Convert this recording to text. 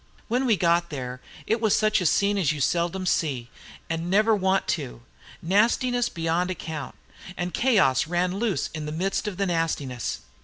When we got there, it was such a scene as you seldom see, and never want to. Nastiness beyond account, and chaos run loose in the midst of the nastiness.